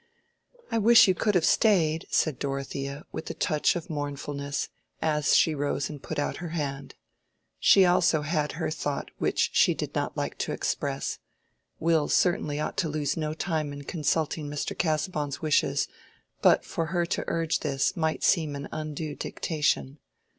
"I wish you could have stayed," said Dorothea, with a touch of mournfulness, as she rose and put out her hand. She also had her thought which she did not like to express:—Will certainly ought to lose no time in consulting Mr. Casaubon's wishes, but for her to urge this might seem an undue dictation.